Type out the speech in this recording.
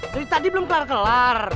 dari tadi belum kelar kelar